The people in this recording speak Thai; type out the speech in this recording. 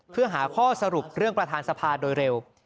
เพื่อหาข้อสรุปเรื่องประธานสภาโดยเร็ว